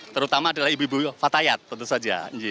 terutama adalah ibu ibu fatayat tentu saja